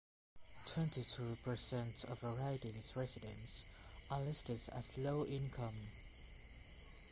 Twenty-two per cent of the riding's residents are listed as low-income.